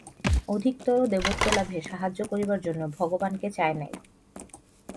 অধিকতর দেবত্বলাভে সাহায্য করিবার জন্য ভগবানকে চায় নাই।